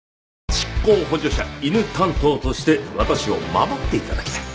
執行補助者犬担当として私を守って頂きたい。